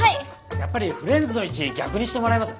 やっぱりフレンズの位置逆にしてもらえます？